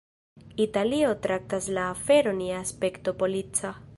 Italio traktas la aferon je aspekto polica.